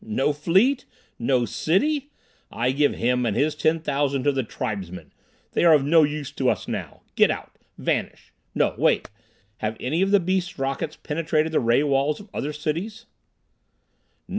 No fleet? No city? I give him and his 10,000 to the tribesmen! They are of no use to us now! Get out! Vanish! No, wait! Have any of the beasts' rockets penetrated the ray walls of other cities?"